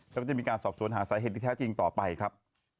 แล้วก็จะมีการสอบสวนหาสาเหตุที่แท้จริงต่อไปครับ